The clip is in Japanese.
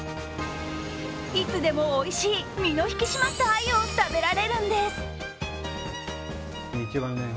いつでもおいしい身の引き締まったあゆを食べられるんです。